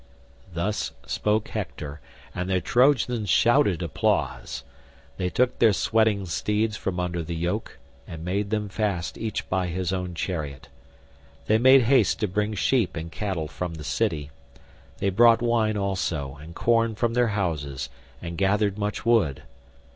Thus spoke Hector and the Trojans shouted applause. They took their sweating steeds from under the yoke, and made them fast each by his own chariot. They made haste to bring sheep and cattle from the city, they brought wine also and corn from their houses and gathered much wood.